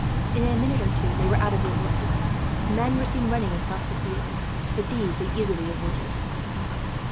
In a minute or two they were out of the wood. Men were seen running across the fields, but these they easily avoided.